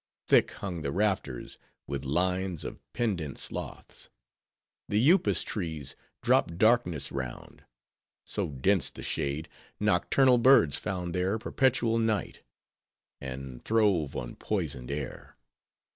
Thick hung the rafters with lines of pendant sloths; the upas trees dropped darkness round; so dense the shade, nocturnal birds found there perpetual night; and, throve on poisoned air.